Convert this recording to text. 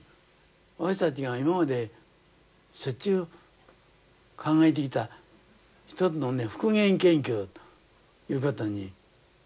私たちが今までしょっちゅう考えてきた一つのね復元研究いうことになりましてね